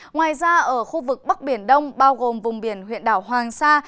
ngoài ra ở khu vực bắc biển đông bao gồm vùng biển huyện đảo hoàng sa